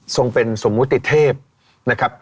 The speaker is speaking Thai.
เป็นสมมุติเทพนะครับ